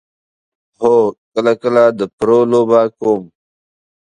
هو، کله کله د پرو لوبه کوم